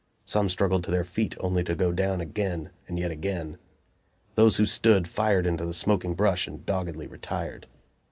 Some struggled to their feet, only to go down again, and yet again. Those who stood fired into the smoking brush and doggedly retired.